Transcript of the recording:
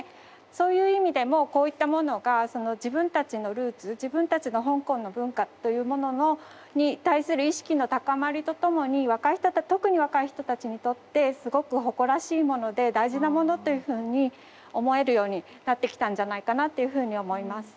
そういう意味でもこういったものが自分たちのルーツ自分たちの香港の文化というものに対する意識の高まりとともに若い人特に若い人たちにとってすごく誇らしいもので大事なものというふうに思えるようなってきたんじゃないかなっていうふうに思います。